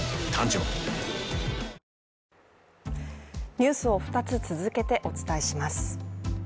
ニュースを２つ、続けてお伝えします。